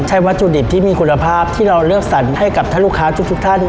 วัตถุดิบที่มีคุณภาพที่เราเลือกสรรให้กับท่านลูกค้าทุกท่าน